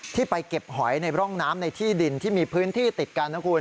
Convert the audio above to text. ที่ไปเก็บหอยในร่องน้ำในที่ดินที่มีพื้นที่ติดกันนะคุณ